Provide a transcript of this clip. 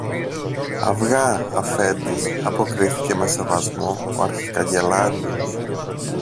Αυγά, Αφέντη, αποκρίθηκε με σεβασμό ο αρχικαγκελάριος.